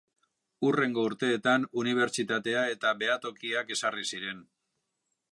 Hurrengo urteetan unibertsitatea eta behatokiak ezarri ziren.